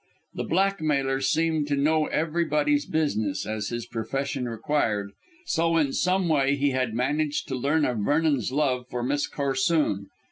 The blackmailer seemed to know everybody's business, as his profession required, so in some way he had managed to learn of Vernon's love for Miss Corsoon.